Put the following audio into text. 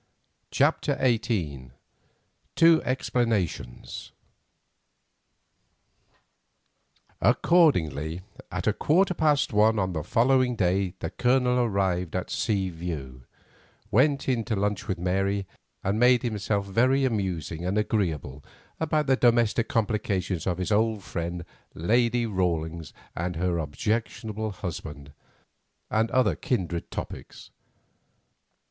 CHAPTER XVIII. TWO EXPLANATIONS Accordingly, at a quarter past one on the following day the Colonel arrived at Seaview, went in to lunch with Mary, and made himself very amusing and agreeable about the domestic complications of his old friend, Lady Rawlins and her objectionable husband, and other kindred topics.